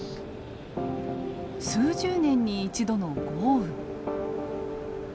数十年に一度の豪雨。